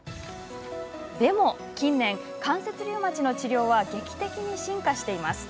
でも近年、関節リウマチの治療は劇的に進化しています。